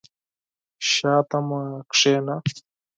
شاته مي کښېنه !